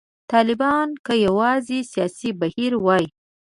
طالبان که یوازې سیاسي بهیر وای.